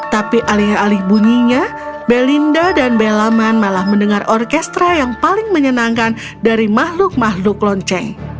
tapi alih alih bunyinya belinda dan belaman malah mendengar orkestra yang paling menyenangkan dari makhluk makhluk lonceng